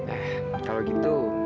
eh kalau gitu